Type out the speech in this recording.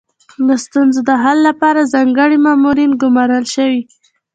د ستونزو د حل لپاره ځانګړي مامورین ګمارل شوي.